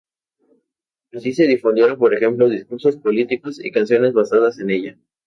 Así se difundieron por ejemplo discursos políticos y canciones basadas en ella.